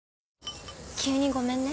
急にごめんね。